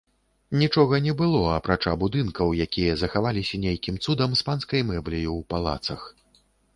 Нічога не было, апрача будынкаў, якія захаваліся нейкім цудам з панскай мэбляю ў палацах.